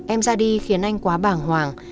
em ra đi khiến anh quá bảng hoàng